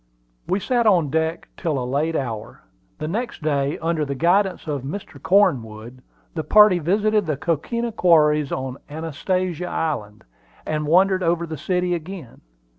We sat on deck till a late hour. The next day, under the guidance of Mr. Cornwood, the party visited the coquina quarries on Anastasia Island, and wandered over the city again.